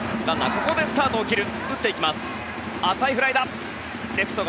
ここでスタートを切る。